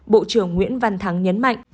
bộ trưởng nguyễn văn thắng nhấn mạnh